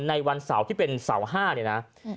วันเสาร์ที่เป็นเสา๕เนี่ยนะ